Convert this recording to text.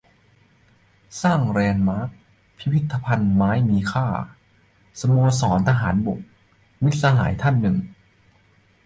"สร้างแลนด์มาร์ค พิพิธภัณฑ์ไม้มีค่า สโมสรทหารบก" - มิตรสหายท่านหนึ่ง